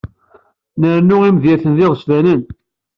Nrennu imedyaten d iɣezfanen.